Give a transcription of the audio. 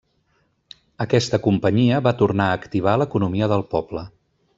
Aquesta companyia va tornar a activar l'economia del poble.